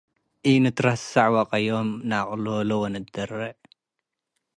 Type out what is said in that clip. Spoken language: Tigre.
ኢንትረሳዕ ወቀዮም ነአቅሎሌ ወንትደሬ